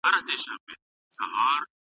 نوښت د پرمختګ نښه ده.